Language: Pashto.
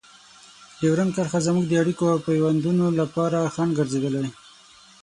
ډیورنډ کرښه زموږ د اړیکو او پيوندونو لپاره خنډ ګرځېدلې.